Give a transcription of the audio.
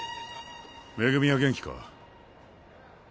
恵は元気か？